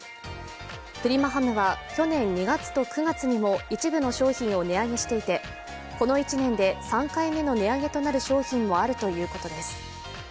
プリマハムは去年２月と９月にも一部の商品を値上げしていてこの１年で３回目の値上げとなる商品もあるということです。